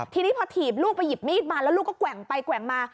ทีนี้พอถีบลูกไปหยิบมีดมาแล้วลูกก็แกว่งไปแกว่งมา